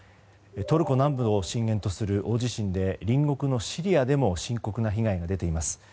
トルコ南部を震源とする大地震で隣国のシリアでも深刻な被害が出ています。